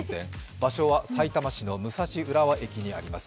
場所はさいたま市の武蔵浦和駅にあります。